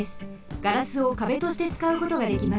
ガラスを壁としてつかうことができます。